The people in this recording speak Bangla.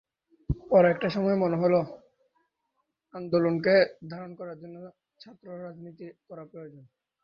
পরে একটা সময়ে মনে হলো, আন্দোলনকে ধারণ করার জন্য ছাত্ররাজনীতি করা প্রয়োজন।